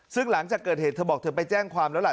ซึ่งหลังจากเกิดเหตุเธอบอกเธอไปแจ้งความแล้วล่ะ